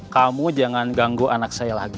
kamu jangan ganggu anak saya lagi